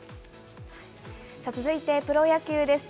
続いてプロ野球です。